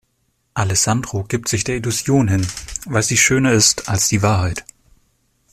Alessandro gibt sich der Illusion hin, weil sie schöner ist als die Wahrheit.